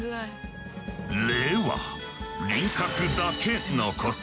「れ」は輪郭だけ残す。